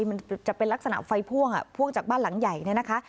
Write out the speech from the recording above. มันจะเป็นลักษณะไฟพ่วงอ่ะพ่วงจากบ้านหลังใหญ่เนี่ยนะคะ